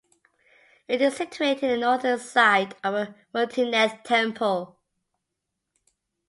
It is situated in the northern side of the Muktinath temple.